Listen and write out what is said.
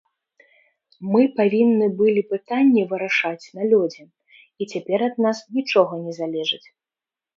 Мы павінны былі пытанне вырашаць на лёдзе, і цяпер ад нас нічога не залежыць.